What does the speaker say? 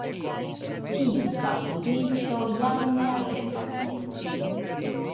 Tiu tamburisto, jam ne atentas ilin.